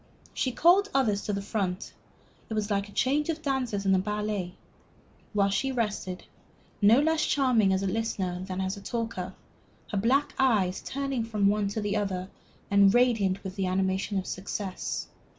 She called others to the front it was like a change of dancers in the ballet while she rested, no less charming as a listener than as a talker, her black eyes turning from one to another and radiant with the animation of success.